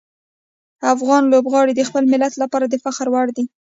افغان لوبغاړي د خپل ملت لپاره د فخر وړ دي.